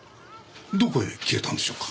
どこへ消えたんでしょうか？